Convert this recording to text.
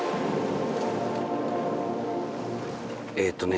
えっとね